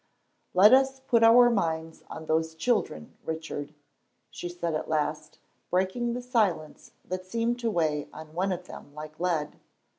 "Let us put our minds on those children, Richard," she said at last, breaking the silence that seemed to weigh on one of them like lead.